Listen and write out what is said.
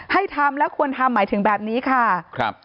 ให้ทำและควรทำหมายถึงแบบนี้ค่ะครับ